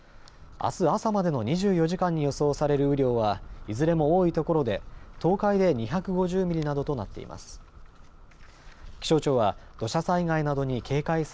あす朝までの２４時間に予想される雨量はいずれも多いところで東海で２５０ミリなどとなっています。